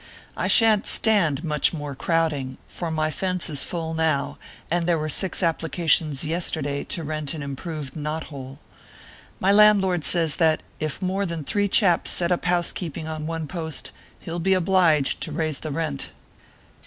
I sha n t stand much more crowding, for my fence is full now, and there were six applications yesterday to rent an improved knot hole. .My landlord says that, if more than three chaps set up housekeeping on one post, he ll be obliged to raise the rent.